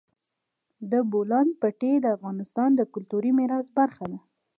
د بولان پټي د افغانستان د کلتوري میراث برخه ده.